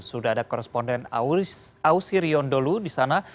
sudah ada koresponden ausi rion dulu di sana